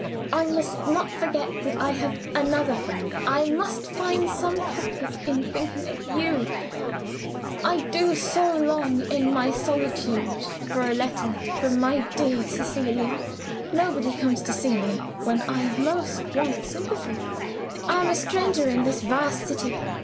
I must not forget that I have another friend I must find some comfort in thinking of you. "I do so long in my solitude for a letter from my dear Cecilia. Nobody comes to see me, when I most want sympathy; I am a stranger in this vast city.